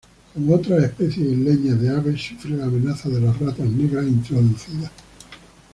Como otras especies isleñas de aves sufre la amenaza de las ratas negras introducidas.